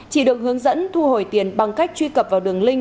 chỉ được hướng dẫn thu hồi tiền bằng cách truy cập vào đường link